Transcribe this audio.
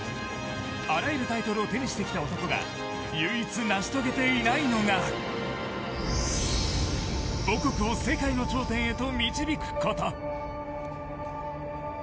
あらゆるタイトルを手にしてきた男が唯一成し遂げていないのが母国を世界の頂点へと導くこと。